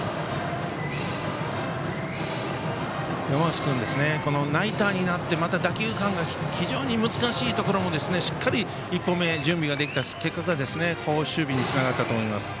山増君、ナイターになってまた打球感が非常に難しいところでもしっかり、１歩目準備ができた結果が好守備につながったと思います。